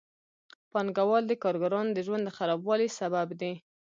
پانګوال د کارګرانو د ژوند د خرابوالي سبب دي